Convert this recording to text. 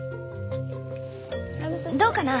どうかな？